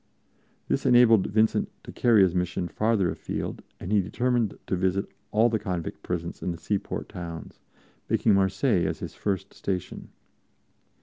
This enabled Vincent to carry his mission farther afield, and he determined to visit all the convict prisons in the seaport towns, taking Marseilles as his first station.